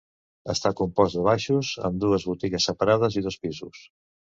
Està compost de baixos, amb dues botigues separades, i dos pisos.